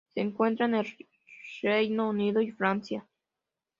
Se encuentra en el Reino Unido y Francia.